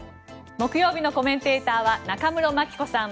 木曜日のコメンテーターは中室牧子さん